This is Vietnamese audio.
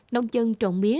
nông dân trồng mía